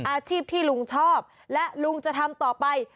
อาชีพที่ลุงชอบและลุงจะทำต่อไป